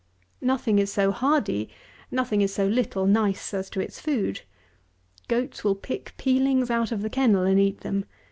Nothing is so hardy; nothing is so little nice as to its food. Goats will pick peelings out of the kennel and eat them.